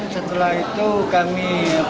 setelah itu kami